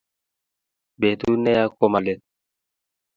Betut ne ya ko malet